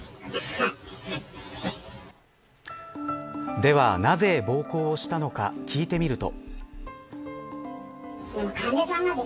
では、なぜ暴行したのか聞いてみると。